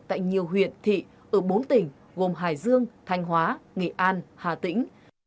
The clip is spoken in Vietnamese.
tại nhiều huyện thị ở bốn tỉnh gồm hải dương thanh hóa nghệ an hà tĩnh